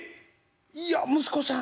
いや息子さん？